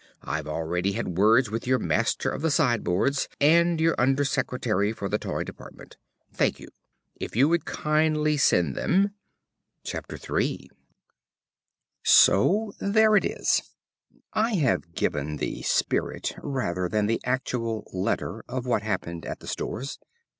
I've already had words with your Master of the Sideboards and your Under Secretary for the Toy Department.... Thank you. If you would kindly send them." III So there it is. I have given the spirit rather than the actual letter, of what happened at the Stores.